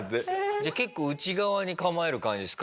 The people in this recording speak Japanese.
じゃあ結構内側に構える感じですか？